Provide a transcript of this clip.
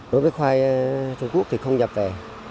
đối với khoai trung quốc thì không nhập về